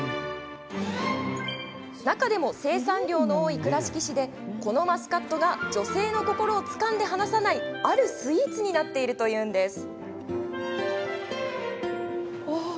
中でも生産量の多い倉敷市でこのマスカットが女性の心をつかんで離さないあるスイーツになっているというんです。